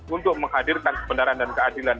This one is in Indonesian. untuk menghadirkan kebenaran dan keadilan